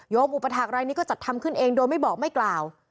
อุปถาครายนี้ก็จัดทำขึ้นเองโดยไม่บอกไม่กล่าว